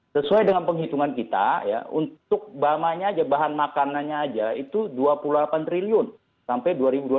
sesuai dengan penghitungan kita ya untuk bahan makanannya aja itu dua puluh delapan triliun sampai dua ribu dua puluh